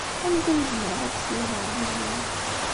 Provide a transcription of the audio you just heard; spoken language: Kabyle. Anda ay zemreɣ ad ssiwleɣ yid-wen?